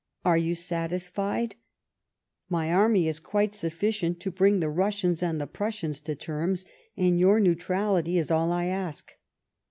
Are you satisfied? My army is quite suffieicnt to bring the Russians and tlie Prussians to terms, and your neutrality is all I ask."